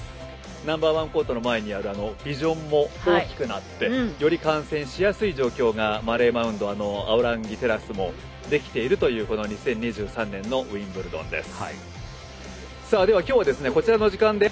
ナンバー１コートの前にあるビジョンも大きくなってより観戦しやすい状況がマレー・マウントやアオランギテラスができているということが２０２３年のウィンブルドンです。